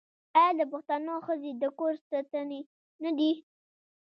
آیا د پښتنو ښځې د کور ستنې نه دي؟